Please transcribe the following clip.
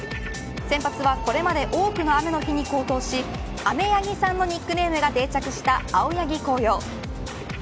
先発はこれまで多くの雨の日に好投し雨柳さんのニックネームが定着した青柳晃洋。